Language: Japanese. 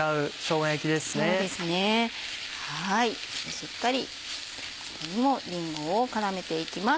しっかりここにもりんごを絡めていきます。